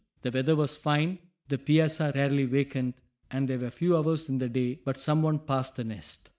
The weather was fine, the piazza rarely vacant, and there were few hours in the day but someone passed the nest.